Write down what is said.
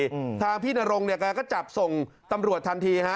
อืมทางพี่นรงเนี้ยแกก็จับส่งตำรวจทันทีฮะ